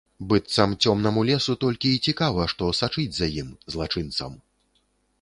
Быццам цёмнаму лесу толькі і цікава, што сачыць за ім, злачынцам.